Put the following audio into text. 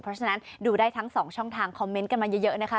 เพราะฉะนั้นดูได้ทั้งสองช่องทางคอมเมนต์กันมาเยอะนะคะ